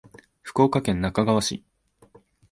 福岡県那珂川市